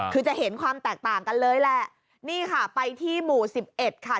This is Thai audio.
คือจะเห็นความแตกต่างกันเลยแหละนี่ค่ะไปที่หมู่สิบเอ็ดค่ะ